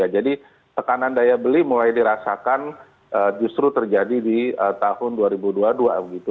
jadi tekanan daya beli mulai dirasakan justru terjadi di tahun dua ribu dua puluh dua begitu